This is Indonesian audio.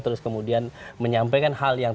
terus kemudian menyampaikan hal yang